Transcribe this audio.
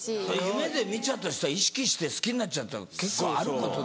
夢で見ちゃった人は意識して好きになっちゃった結構あることだよ。